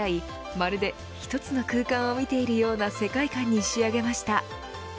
まるで、１つの空間を見ているような世界観に仕上げました。